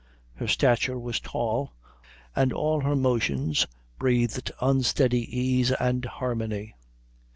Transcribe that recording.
Her stature was tall, and all her motions breathed; unstudied ease and harmony.